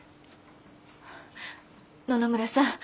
野々村さん